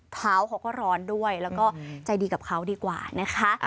เท้าเขาก็ร้อนด้วยแล้วก็ใจดีกับเขาดีกว่านะคะ